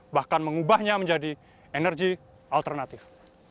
bahkan mengubahnya menjadi energi alternatif